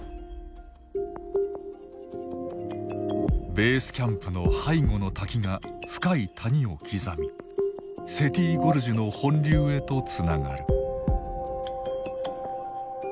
ベースキャンプの背後の滝が深い谷を刻みセティ・ゴルジュの本流へとつながる。